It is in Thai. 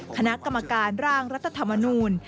คณะกรรมการร่างรัฐธรรมนูล